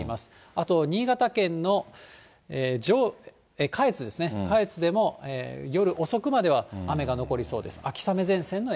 あと新潟県の下越ですね、下越でも、夜遅くまでは雨が残りそうです。